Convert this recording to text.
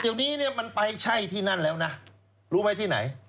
เดี๋ยวนี้เนี่ยมันไปใช่ที่นั่นแล้วนะรู้ไหมที่ไหน